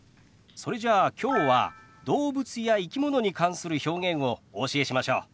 それじゃあきょうは動物や生き物に関する表現をお教えしましょう。